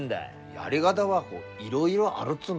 やり方はいろいろあるっつうんだ。